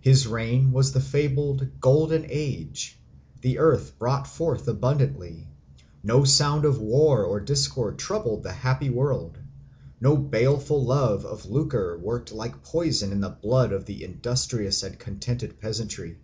His reign was the fabled Golden Age: the earth brought forth abundantly: no sound of war or discord troubled the happy world: no baleful love of lucre worked like poison in the blood of the industrious and contented peasantry.